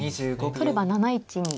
取れば７一に。